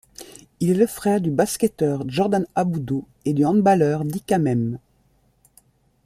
Il est le frère du basketteur Jordan Aboudou et du handballeur Dika Mem.